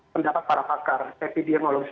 pendapat para pakar epidemiologis